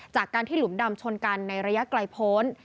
จากการที่หลุมดำชนกันในระยะไกลพ้น